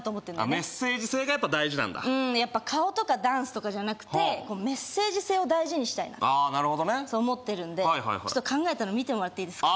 メッセージ性が大事なんだやっぱ顔とかダンスとかじゃなくてメッセージ性を大事にしたいなとああーなるほどねそう思ってるんでちょっと考えたの見てもらっていいですか？